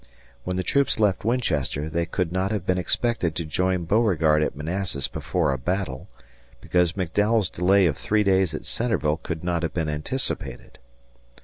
When the troops left Winchester, they could not have been expected to join Beauregard at Manassas before a battle, because McDowell's delay of three days at Centreville could not have been anticipated.